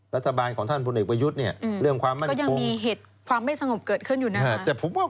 รัฐบาลของท่านบุญเอกวะยุทธ์เนี่ยเรื่องความมั่นคง